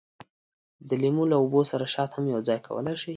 د لیمو له اوبو سره شات هم یوځای کولای شئ.